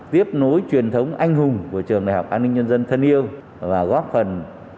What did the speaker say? tiếp nối truyền thống anh hùng của trường đại học an ninh nhân dân thân yêu và góp phần